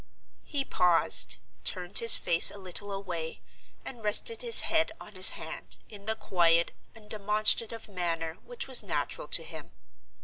He paused, turned his face a little away, and rested his head on his hand, in the quiet, undemonstrative manner which was natural to him.